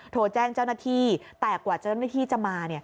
โทรแจ้งเจ้าหน้าที่แต่กว่าเจ้าหน้าที่จะมา